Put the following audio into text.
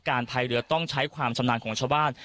พายเรือต้องใช้ความชำนาญของชาวบ้าน